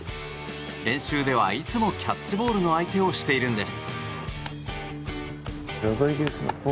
練習ではいつもキャッチボールの相手をしているんです。